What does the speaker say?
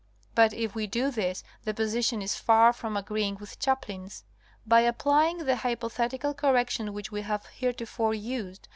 But if we do this the position is far from agreeing with Chaplin's. By applying the hypo _thetical correction which we have heretofore used.